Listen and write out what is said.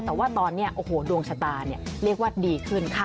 แต่ว่าตอนนี้โอ้โหดวงชะตาเรียกว่าดีขึ้นค่ะ